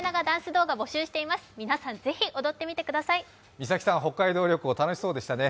みさきさん、北海道旅行、楽しそうでしたね。